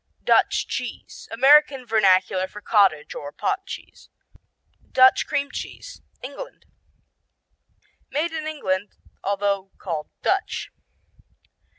Dutch cheese American vernacular for cottage or pot cheese. Dutch Cream Cheese England Made in England although called Dutch.